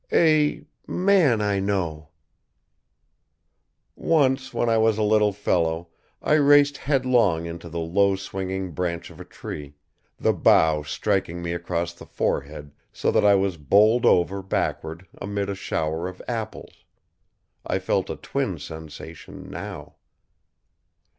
"A man I know?" Once when I was a little fellow, I raced headlong into the low swinging branch of a tree, the bough striking me across the forehead so that I was bowled over backward amid a shower of apples. I felt a twin sensation, now.